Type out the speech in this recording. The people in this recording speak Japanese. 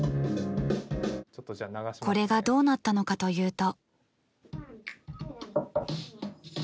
これがどうなったのかというと